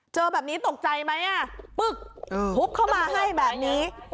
เจอแบบนี้ตกใจไหมอ่ะปึ๊กทุบเข้ามาให้แบบนี้